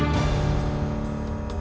aku mau ke sana